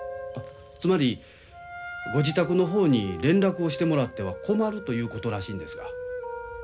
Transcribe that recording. つまりご自宅の方に連絡をしてもらっては困るということらしいんですが。